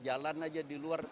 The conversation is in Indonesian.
jalan aja di luar